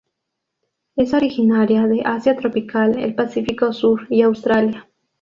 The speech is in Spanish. Es originaria de Asia tropical, el Pacífico Sur, y Australia.